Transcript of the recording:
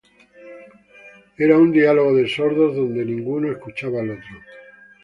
Era un diálogo de sordos donde ninguno escuchaba al otro